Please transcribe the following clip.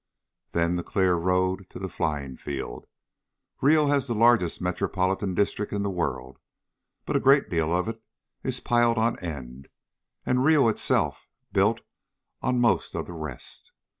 Then the clear road to the flying field. Rio has the largest metropolitan district in the world, but a great deal of it is piled on end, and Rio itself built on most of the rest.